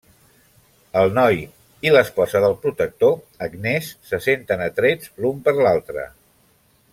El Noi i l'esposa del Protector, Agnès, se senten atrets l'un per l'altra.